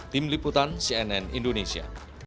tim liputan cnn indonesia